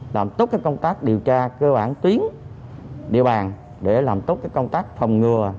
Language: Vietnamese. làm tốt công tác điều tra cơ bản tuyến địa bàn để làm tốt công tác phòng ngừa